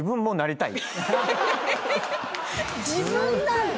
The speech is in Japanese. え⁉自分なんだ！